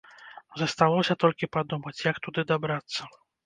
Засталося толькі падумаць, як туды дабрацца.